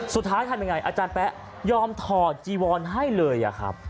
สุดท้ายทำอย่างไรอาจารย์แป๊ะยอมถอดจีวอนให้เลย